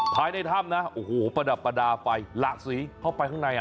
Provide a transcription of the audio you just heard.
ภายในถ้ำนะโอ้โหประดับประดาษไฟหละสีเข้าไปข้างใน